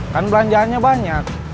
kan belanjaannya banyak